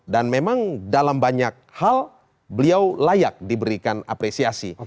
dan memang dalam banyak hal beliau layak diberikan apresiasi